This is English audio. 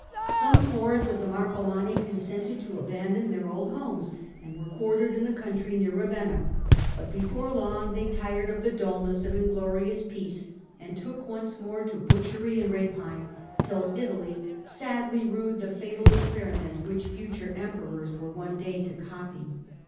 Some hordes of the Marcomanni consented to abandon their old homes, and were quartered in the country near Ravenna ; but before long they tired of the dulness of inglorious peace, and took oiice more to butchery and rapine, till Italy sadly rued the fatal ex periment which future Emperors were one day to copy.